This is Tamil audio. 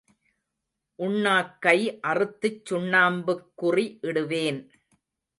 உண்ணாக்கை அறுத்துச் சுண்ணாம்புக் குறி இடுவேன்.